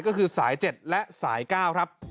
ก็คือสาย๗และสาย๙ครับ